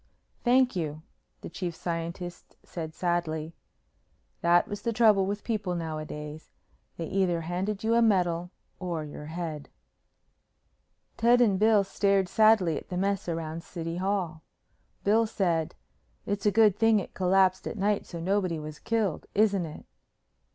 "Thank you," the Chief Scientist said sadly. That was the trouble with people nowadays. They either handed you a medal or your head. Ted and Bill stared sadly at the mess around the City Hall. Bill said, "It's a good thing it collapsed at night so nobody was killed, isn't it?"